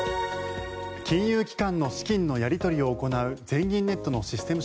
金融機関の資金のやり取りを行う全銀ネットのシステム